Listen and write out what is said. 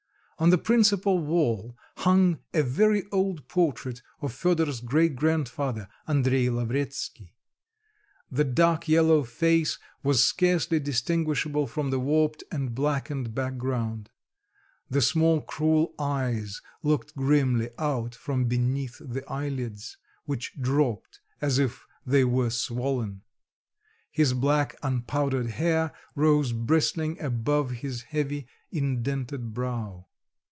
On the principal wall hung a very old portrait of Fedor's great grandfather, Andrey Lavretsky; the dark yellow face was scarcely distinguishable from the warped and blackened background; the small cruel eyes looked grimly out from beneath the eyelids, which dropped as if they were swollen; his black unpowdered hair rose bristling above his heavy indented brow.